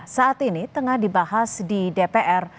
saat ini tengah dibahas di dpr